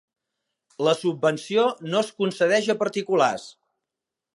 La subvenció no es concedeix a particulars.